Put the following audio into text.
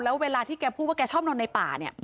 และเวลาที่แกพูดว่าแกชอบนอนในป่า